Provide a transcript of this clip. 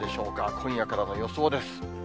今夜からの予想です。